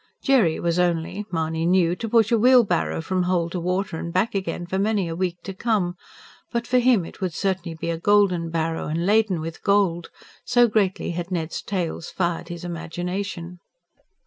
Jerry was only, Mahony knew, to push a wheelbarrow from hole to water and back again for many a week to come; but for him it would certainly be a golden barrow, and laden with gold, so greatly had Ned's tales fired his imagination.